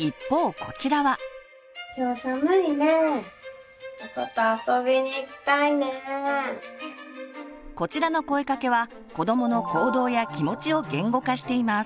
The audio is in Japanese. こちらの声かけは子どもの行動や気持ちを言語化しています。